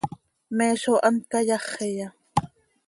¿Me zó hant cayáxiya?